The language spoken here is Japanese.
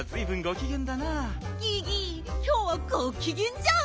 ギギきょうはごきげんじゃん。